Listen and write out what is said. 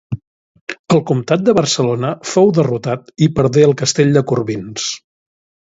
El Comtat de Barcelona fou derrotat i perdé el castell de Corbins.